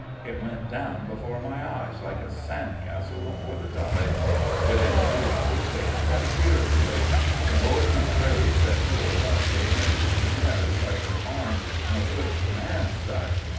It went down before my eyes like a sand castle before the tide. Within three hours they had wiped the earth of it. The Lord be praised that Philip Gosson had ne'er such an arm, nor could command such!